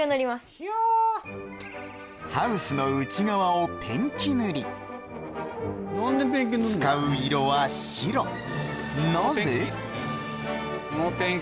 ヒャハウスの内側をペンキ塗り使う色は白なぜ？